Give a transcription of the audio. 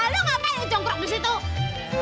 lalu ngapain ujung kurang di situ